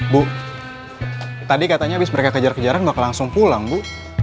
bu tadi katanya habis mereka kejar kejaran bakal langsung pulang bu